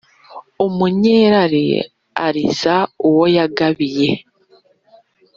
umunyerari ariza uwo yagabiye.